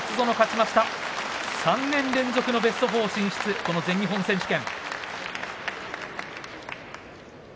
３年連続のベスト４進出、全日本選手権。